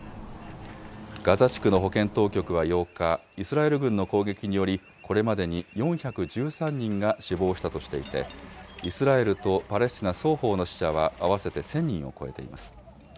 ガザ地区の保健当局は８日、イスラエル軍の攻撃により、これまでに４１３人が死亡したとしていて、イスラエルとパレスチナ双方の死者は合わせて１０００人を超えています。